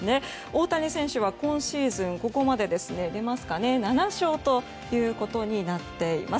大谷選手は今シーズン、ここまで７勝となっています。